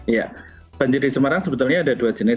ya banjir di semarang sebetulnya ada dua jenis